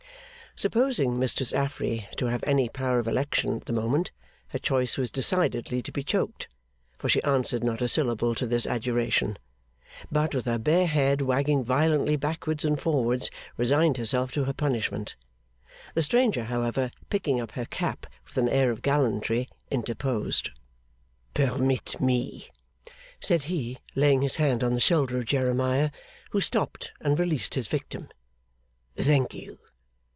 Supposing Mistress Affery to have any power of election at the moment, her choice was decidedly to be choked; for she answered not a syllable to this adjuration, but, with her bare head wagging violently backwards and forwards, resigned herself to her punishment. The stranger, however, picking up her cap with an air of gallantry, interposed. 'Permit me,' said he, laying his hand on the shoulder of Jeremiah, who stopped and released his victim. 'Thank you.